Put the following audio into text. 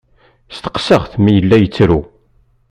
Steqsaɣ-t mi yella yettru.